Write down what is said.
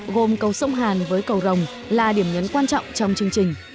gồm cầu sông hàn với cầu rồng là điểm nhấn quan trọng trong chương trình